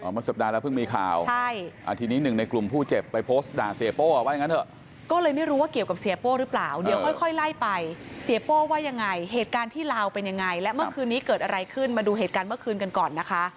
เมื่อสัปดาห์แล้วเพิ่งมีข่าวทีนี้หนึ่งในกลุ่มผู้เจ็บ